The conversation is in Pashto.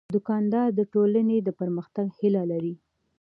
دوکاندار د ټولنې د پرمختګ هیله لري.